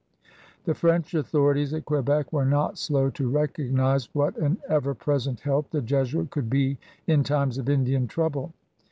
The French authorities at Que bec were not slow to recognize what an ever present help the Jesuit could be in times of Indian trouble.